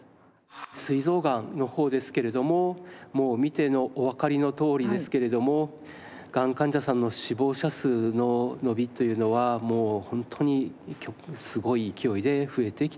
膵臓がんの方ですけれどももう見ておわかりのとおりですけれどもがん患者さんの死亡者数の伸びというのはもう本当にすごい勢いで増えてきております。